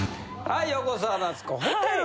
はい。